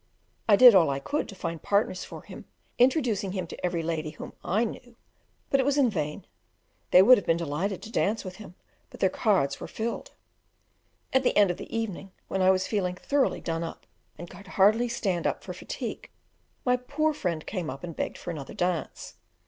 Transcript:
I did all I could to find partners for him, introducing him to every lady whom I knew, but it was in vain; they would have been delighted to dance with him, but their cards were filled. At the end of the evening, when I was feeling thoroughly done up, and could hardly stand up for fatigue, my poor friend came up and begged for another dance.